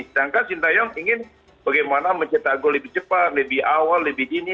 sedangkan si taeyong ingin bagaimana mencetak gol lebih cepat lebih awal lebih jini